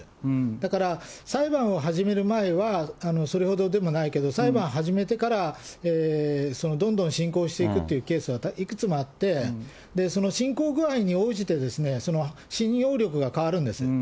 だから裁判を始める前は、それほどでもないけど、裁判始めてから、どんどん進行していくっていうケースはいくつもあって、その進行具合に応じて、信用力が変わるんですね。